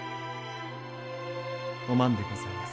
お万でございます。